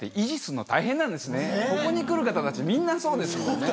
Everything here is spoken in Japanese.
ここに来る方たちみんなそうですもんね。